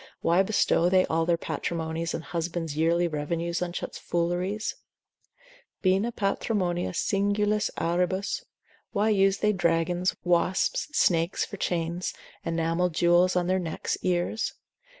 why bestow they all their patrimonies and husbands' yearly revenues on such fooleries? bina patrimonia singulis auribus; why use they dragons, wasps, snakes, for chains, enamelled jewels on their necks, ears?